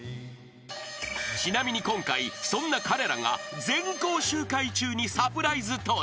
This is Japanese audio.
［ちなみに今回そんな彼らが全校集会中にサプライズ登場］